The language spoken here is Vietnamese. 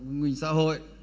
nguyên hình xã hội